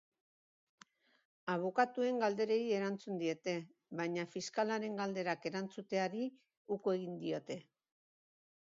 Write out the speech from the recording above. Abokatuen galderei erantzun diete, baina fiskalaren galderak erantzuteari uko egin diote.